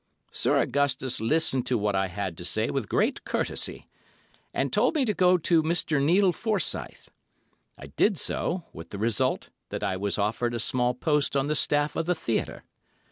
Sir Augustus listened to what I had to say with great courtesy, and told me to go to Mr. Neil Forsyth. I did so, with the result that I was offered a small post on the staff of the theatre.